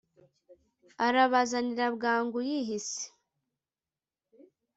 arabazanira bwangu yihise